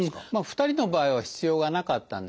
２人の場合は必要がなかったんですね。